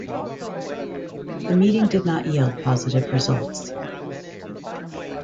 The meeting did not yield positive results.